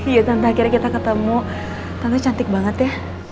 iya tante akhirnya kita ketemu tante cantik banget ya